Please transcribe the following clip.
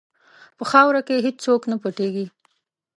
په خاوره کې هېڅ څوک نه پټیږي.